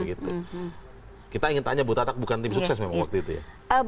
kita ingin tanya bu tatak bukan tim sukses memang waktu itu ya